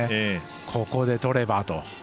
ここで取ればと。